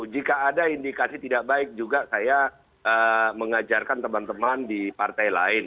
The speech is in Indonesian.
jika ada indikasi tidak baik juga saya mengajarkan teman teman di partai lain